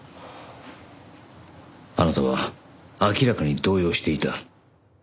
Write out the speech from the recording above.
あなたは明らかに動揺していた。